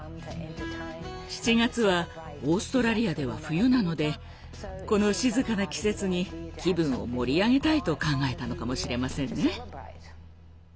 ７月はオーストラリアでは冬なのでこの静かな季節に気分を盛り上げたいと考えたのかもしれませんね。